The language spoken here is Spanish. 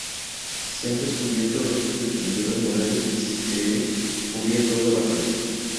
Se han descubierto restos de pinturas murales que se cree cubrían toda la pared.